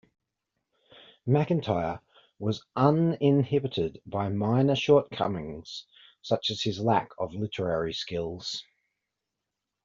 McIntyre was uninhibited by minor shortcomings-such as his lack of literary skills.